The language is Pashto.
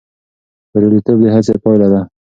بریالیتوب د هڅې پایله ده.